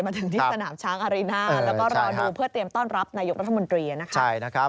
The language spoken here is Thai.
มาถึงที่สนามช้างอารีน่าแล้วก็รอดูเพื่อเตรียมต้อนรับนายกรัฐมนตรีนะคะ